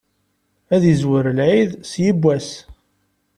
Ad izwer lɛid s yibbwas.